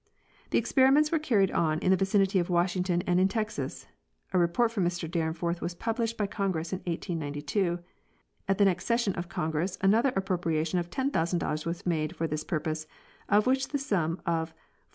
The experiments were carried on in the vicinity of Washington and in Texas... A report from Mr Dyrenforth was published by Congress in 1892. At the next session of Congress another appropriation of $10,000 was made for this purpose, of which the sum of $4,913.